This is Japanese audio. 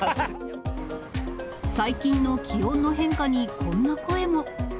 最近の気温の変化に、こんな声も。